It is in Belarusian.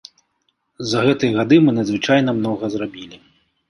За гэтыя гады мы надзвычайна многа зрабілі.